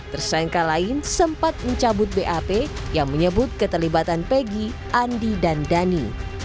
tersangka lain sempat mencabut bap yang menyebut keterlibatan pegi andi dan dhani